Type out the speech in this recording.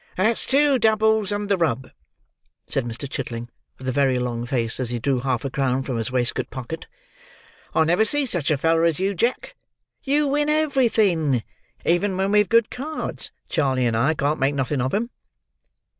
"That's two doubles and the rub," said Mr. Chitling, with a very long face, as he drew half a crown from his waistcoat pocket. "I never see such a feller as you, Jack; you win everything. Even when we've good cards, Charley and I can't make nothing of 'em."